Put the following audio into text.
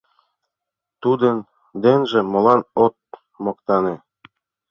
— Тудын денже молан от моктане?